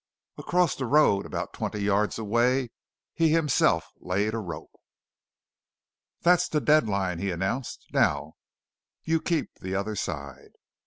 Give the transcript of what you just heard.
Across the road about twenty yards away he himself laid a rope. "That's the dead line," he announced. "Now you keep the other side!"